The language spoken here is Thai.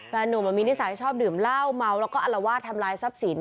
นุ่มมีนิสัยชอบดื่มเหล้าเมาแล้วก็อลวาดทำลายทรัพย์สิน